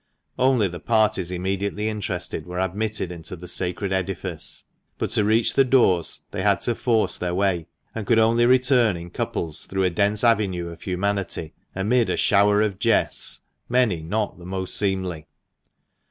Only the parties immediately interested were admitted into the sacred edifice, but to reach the doors they had to force their way, and could only return in couples through a dense avenue of humanity, amid a shower of jests, many not the most seemly.